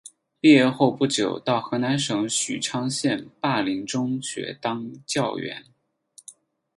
毕业后不久到河南省许昌县灞陵中学当教员。